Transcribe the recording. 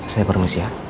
saya permisi ya